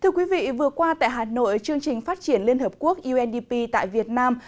thưa quý vị vừa qua tại hà nội chương trình phát triển liên hợp quốc undp tại việt nam